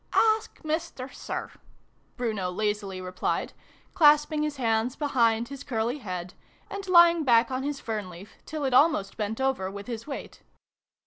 " Ask Mister Sir," Bruno lazily replied, clasp ing his hands behind his curly head, and lying back on his fern leaf, till it almost bent over xvn] TO THE RESCUE ! 263 with his weight.